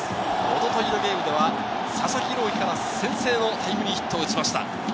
一昨日のゲームでは佐々木朗希から先制のタイムリーヒットを打ちました。